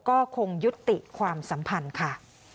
ก็คงยุติความสัมพันธ์ค่ะ